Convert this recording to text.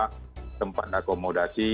ke tempat akomodasi